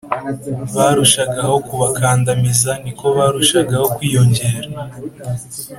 barushagaho kubakandamiza ni ko barushagaho kwiyongera